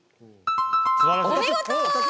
お見事！